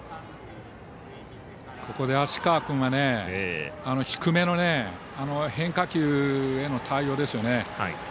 ここで芦川君が低めの変化球への対応ですよね。